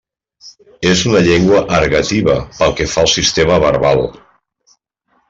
És una llengua ergativa pel que fa al sistema verbal.